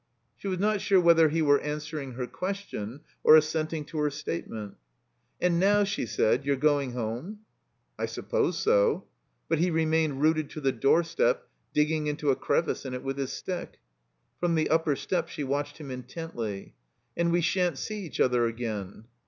She was not sure whether he were answering her question or assenting to her statement. "And now," she said, "you're going home?" "I suppose so." But he remained rooted to the doorstep, digging into a crevice in it with his stick. From the upper step she watdied him intently, "And we sha'n't see each other again."